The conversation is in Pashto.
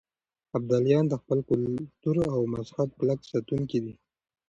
ابدالیان د خپل کلتور او مذهب کلک ساتونکي دي.